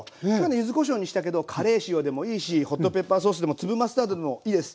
柚子こしょうにしたけどカレー塩でもいいしホットペッパーソースでも粒マスタードでもいいです。